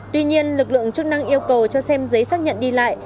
tuy nhiên lực lượng chức năng yêu cầu cho xem giấy xác nhận đi lại